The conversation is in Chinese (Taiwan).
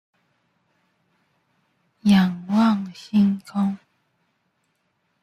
仰望星空